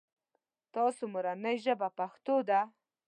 تاسو مورنۍ ژبه پښتو ده ؟